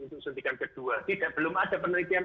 untuk suntikan kedua tidak belum ada penelitian